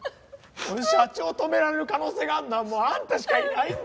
社長を止められる可能性があるのはもうあんたしかいないんだよ。